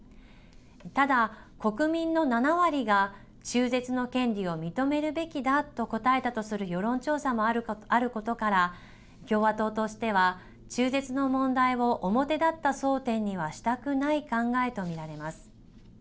ただ、国民の７割が中絶の権利を認めるべきだと答えたとする世論調査もあることから共和党としては中絶の問題を表立った争点にはしたくない考えと見られます。